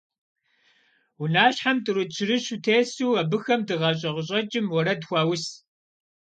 Унащхьэхэм тӀурытӀ-щырыщу тесу, абыхэм дыгъэщӀэ къыщӀэкӀым уэрэд хуаус.